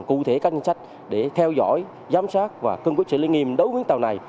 cụ thể các nhân sách để theo dõi giám sát và cân quyết sự linh nghiệm đối với tàu này